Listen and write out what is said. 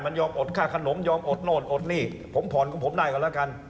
มันยอมอดค่าขนมยอมอดโน่นอดหนี้ผมผ่อนของผมได้ก็แล้วกัน